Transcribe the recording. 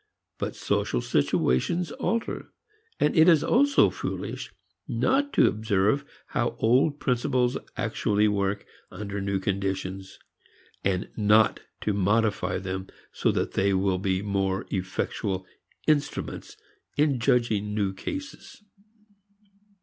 But social situations alter; and it is also foolish not to observe how old principles actually work under new conditions, and not to modify them so that they will be more effectual instruments in judging new cases.